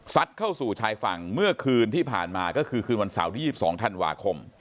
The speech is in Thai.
เข้าสู่ชายฝั่งเมื่อคืนที่ผ่านมาก็คือคืนวันเสาร์ที่๒๒ธันวาคม